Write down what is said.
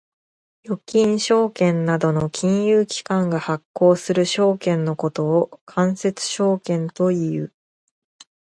預金証券などの金融機関が発行する証券のことを間接証券という。